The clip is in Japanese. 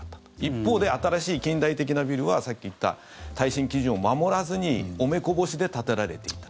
一方で、新しい近代的なビルはさっき言った耐震基準を守らずにお目こぼしで建てられていた。